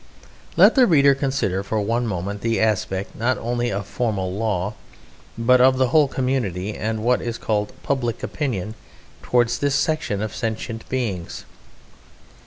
Let the reader consider for one moment the aspect not only of formal law but of the whole community, and of what is called "public opinion" towards this section of sentient beings.